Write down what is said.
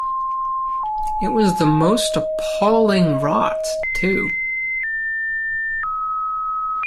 It was the most appalling rot, too.